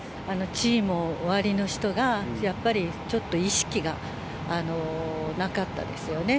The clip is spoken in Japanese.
地位もおありの人が、やっぱりちょっと、意識がなかったですよね。